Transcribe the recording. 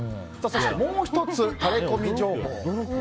そしてもう１つタレコミ情報。